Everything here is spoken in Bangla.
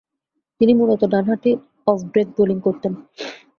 তিনি মূলতঃ ডানহাতি অফ-ব্রেক বোলিং করতেন।